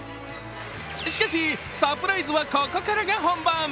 しかしサプライズはここからが本番。